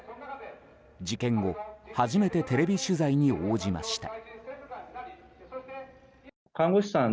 事件後、初めてテレビ取材に応じました。